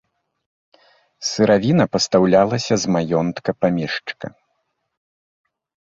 Сыравіна пастаўлялася з маёнтка памешчыка.